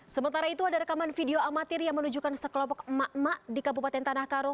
sementara itu ada rekaman video amatir yang menunjukkan sekelompok emak emak di kabupaten tanah karo